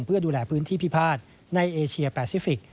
เพื่อดูแลพื้นที่พิพาทในเอเชียแปซิฟิกส